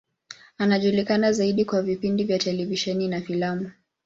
Anajulikana zaidi kwa vipindi vya televisheni na filamu.